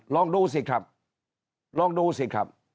ลองดูสิครับลองดูสิครับ